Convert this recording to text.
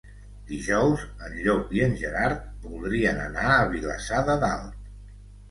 Dijous en Llop i en Gerard voldrien anar a Vilassar de Dalt.